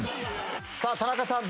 さあ田中さん